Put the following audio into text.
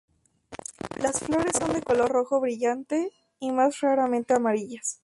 Las flores son de color rojo brillante y más raramente amarillas.